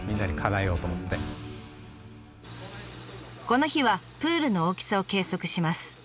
この日はプールの大きさを計測します。